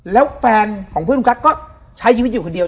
แล้วแฟนของเพื่อนคุณกั๊กก็ใช้ชีวิตอยู่คนเดียว